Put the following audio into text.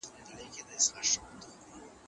کنت پر آزموينه ټينګار کاوه.